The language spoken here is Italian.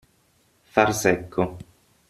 Far secco.